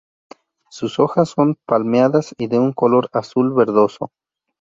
Sus hojas son palmeadas y de un color azul verdoso.